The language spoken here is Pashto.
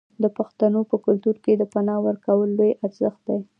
د پښتنو په کلتور کې د پنا ورکول لوی ارزښت دی.